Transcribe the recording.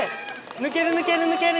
抜ける抜ける抜ける！